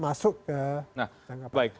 masuk ke tanggapan